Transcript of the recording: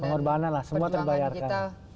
pengorbanan lah semua terbayarkan